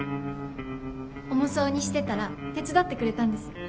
重そうにしてたら手伝ってくれたんです。